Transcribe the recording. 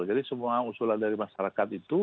jadi semua usulan dari masyarakat itu